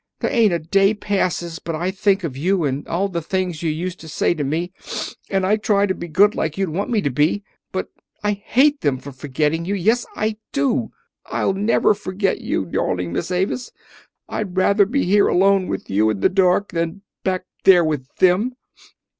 There ain't a day passes but I think of you and all the things you used to say to me, and I try to be good like you'd want me to be. But I hate them for forgetting you yes, I do! I'll never forget you, darling Miss Avis! I'd rather be here alone with you in the dark than back there with them."